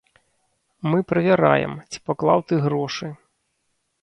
Мы правяраем, ці паклаў ты грошы.